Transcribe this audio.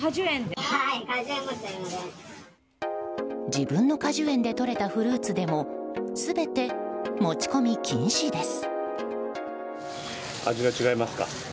自分の果樹園でとれたフルーツでも全て持ち込み禁止です。